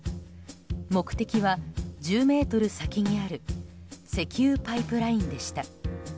目的は１０ｍ先にある石油パイプラインでした。